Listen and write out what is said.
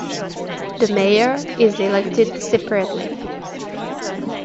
The Mayor is elected separately.